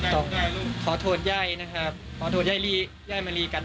หามาเรามาขอโทษสังคมที่หึ้กแผล